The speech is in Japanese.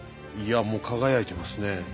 いやもう輝いてますね。